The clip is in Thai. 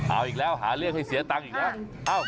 เอาอีกแล้วหาเรื่องให้เสียตังค์อีกแล้ว